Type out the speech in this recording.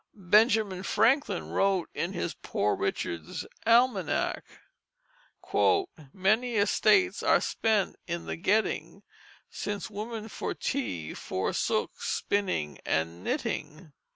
Benjamin Franklin wrote in his Poor Richard's Almanac: "Many estates are spent in the getting, Since women for tea forsook spinning and knitting."